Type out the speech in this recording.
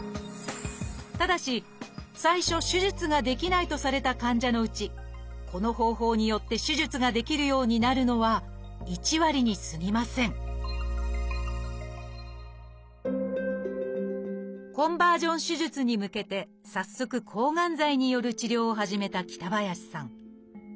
ただし最初手術ができないとされた患者のうちこの方法によって手術ができるようになるのは１割にすぎませんコンバージョン手術に向けて早速抗がん剤による治療を始めた北林さん。